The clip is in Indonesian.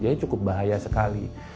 jadi cukup bahaya sekali